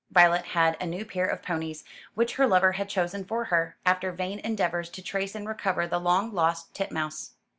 Violet had a new pair of ponies, which her lover had chosen for her, after vain endeavours to trace and recover the long lost Titmouse.